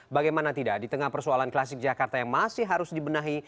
bagaimana tidak di tengah persoalan klasik jakarta yang masih harus dibenahi